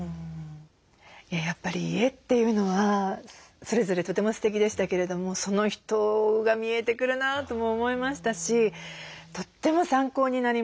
やっぱり家というのはそれぞれとてもステキでしたけれどもその人が見えてくるなとも思いましたしとっても参考になりました。